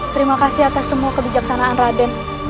terima kasih atas semua kebijaksanaan raden